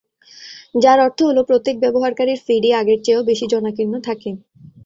যার অর্থ হলো, প্রত্যেক ব্যবহারকারীর ফিডই আগের চেয়েও বেশি জনাকীর্ণ থাকে।